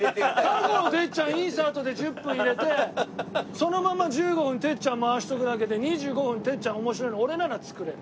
過去のてっちゃんインサートで１０分入れてそのまま１５分てっちゃん回しておくだけで２５分てっちゃん面白いの俺なら作れる。